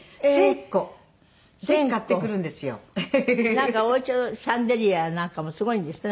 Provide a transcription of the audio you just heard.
なんかお家のシャンデリアなんかもすごいんですって？